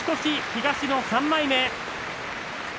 東の３枚目。